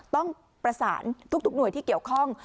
ต้องประสานทุกหน่วยที่เกี่ยวข้อง